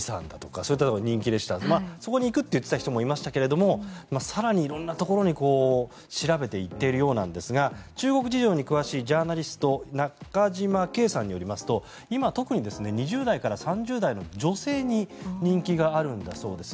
そういったところに行くと言っていた方もいましたが更に、色んなところに調べて行っているようなんですが中国事情に詳しいジャーナリスト中島恵さんによりますと今、特に２０代から３０代の女性に人気があるんだそうです。